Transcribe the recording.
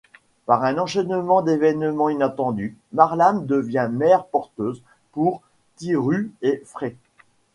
Par un enchaînement d'événements inattendus, Marlam devient mère porteuse pour Tiru et Fre.